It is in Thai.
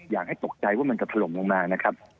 อยากให้ตกใจว่ามันจะถล่มลงมานะครับ